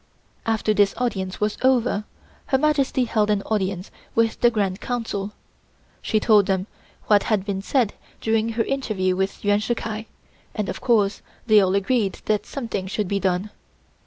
After this audience was over, Her Majesty held an audience with the Grand Council. She told them what had been said during her interview with Yuan Shih Kai, and of course they all agreed that something should be done.